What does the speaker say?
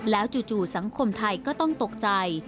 แล้วจู่สังคมไทยก็ต้องตกใจ